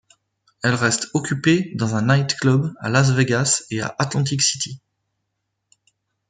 Elle reste occupée dans un night club à Las Vegas et à Atlantic City.